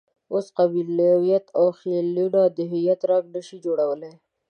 اوس قبیلویت او خېلونه د هویت رنګ نه شي جوړولای.